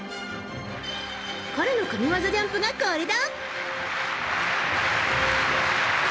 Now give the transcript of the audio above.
彼の神技ジャンプがこれだ！